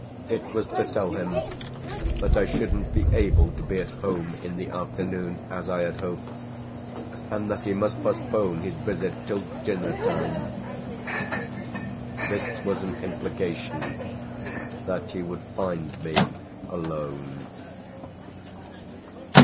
It was to tell him that I shouldn't be able to be at home in the afternoon as I had hoped and that he must postpone his visit till dinner time. This was an implication that he would find me alone.